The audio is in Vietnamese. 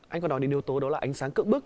anh còn nói đến yếu tố đó là ánh sáng cứng bức